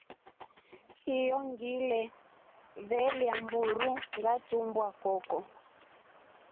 Hiyo ngile veelya mburu ngatumbwa koko.